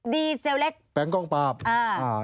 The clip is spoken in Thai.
ดีเซลเล็กแปลงกล้องปาอ่า